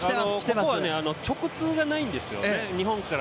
ここは直通がないんですよね、日本から。